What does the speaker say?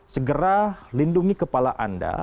segera lindungi kepala anda